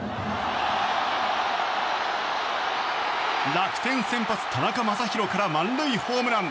楽天先発、田中将大から満塁ホームラン！